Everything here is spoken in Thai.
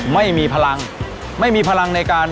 ไม่มีพลังไม่มีพลังในการ